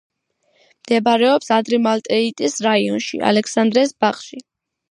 მდებარეობს ადმირალტეიტის რაიონში, ალექსანდრეს ბაღში.